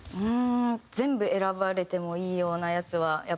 全部選ばれてもいいようなやつはやっぱ作る。